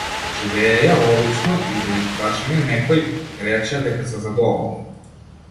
Живееја обично, и да ги прашање некој, ќе речеа дека се задоволни.